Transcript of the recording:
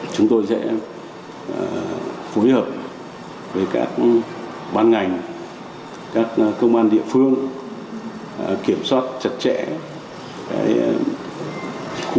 chúng tôi sẽ phối hợp với các ban ngành các công an địa phương kiểm soát chặt chẽ khu vực cửa khẩu